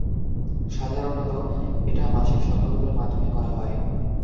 সাধারণত, এটা মাসিক সভাগুলোর মাধ্যমে করা হয়।